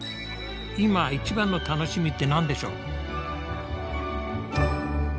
今一番の楽しみって何でしょう？